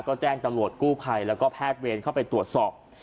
ก็แจ้งตำรวจกู้ภัยแล้วก็แพทย์เวรเข้าไปตรวจสอบ